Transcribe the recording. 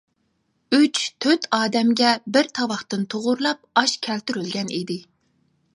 ئۈچ-تۆت ئادەمگە بىر تاۋاقتىن توغرىلاپ ئاش كەلتۈرۈلگەن ئىدى.